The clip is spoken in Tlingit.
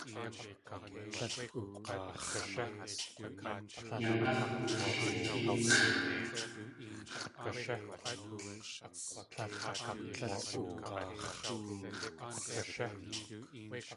Yanax̲ wushikʼéex̲ʼ.